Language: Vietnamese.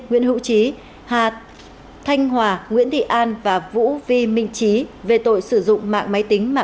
nguyễn hữu trí hà thanh hòa nguyễn thị an và vũ vi minh trí về tội sử dụng mạng máy tính mạng